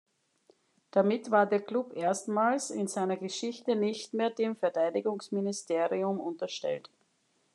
Damit war der Klub erstmals in seiner Geschichte nicht mehr dem Verteidigungsministerium unterstellt.